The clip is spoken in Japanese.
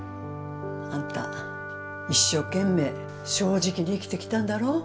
あんた一生懸命正直に生きてきたんだろ？